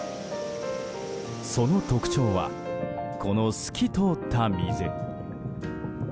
その特徴は、この透き通った水。